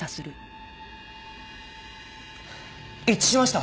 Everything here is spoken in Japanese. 一致しました！